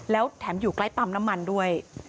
แล้วแถมอยู่ใกล้ปั๊มน้ำมันด้วย